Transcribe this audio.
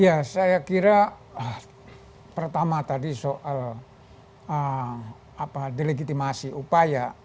ya saya kira pertama tadi soal delegitimasi upaya